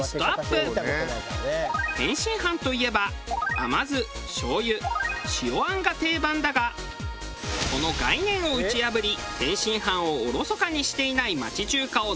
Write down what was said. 天津飯といえば甘酢醤油塩餡が定番だがその概念を打ち破り天津飯をおろそかにしていない町中華を続々ご紹介。